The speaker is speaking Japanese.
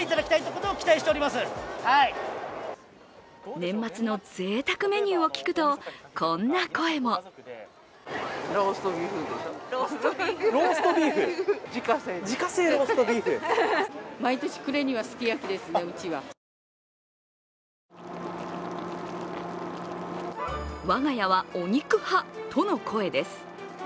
年末のぜいたくメニューを聞くと、こんな声も。我が家はお肉派との声です。